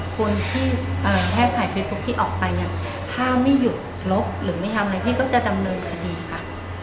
คนที่แอบถ่ายเฟซบุ๊คพี่ออกไปเนี่ยถ้าไม่หยุดลบหรือไม่ทำอะไรพี่ก็จะดำเนินคดีค่ะ